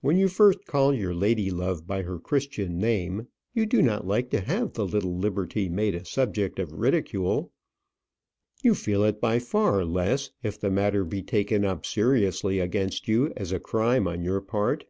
When you first call your lady love by her Christian name, you do not like to have the little liberty made a subject of ridicule you feel it by far less if the matter be taken up seriously against you as a crime on your part.